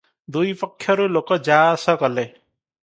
ଦୁଇପକ୍ଷରୁ ଲୋକ ଯା ଆସ କଲେ ।